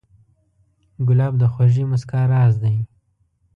ګلاب د خوږې موسکا راز دی.